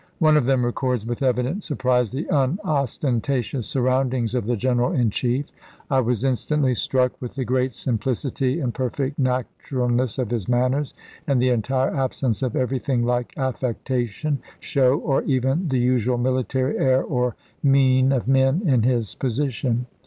One of them records with evident surprise the unostentatious surroundings of the General in Chief. " I was in stantly struck with the great simplicity and per fect naturalness of his manners, and the entire absence of everything like affectation, show, or even the usual military air or mien of men in his position.